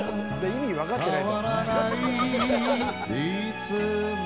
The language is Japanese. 意味分かってないと思う。